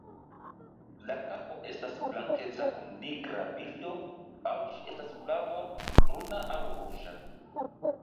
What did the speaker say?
La kapo estas blankeca kun nigra bildo, aŭ ĝi estas flava, bruna aŭ ruĝa.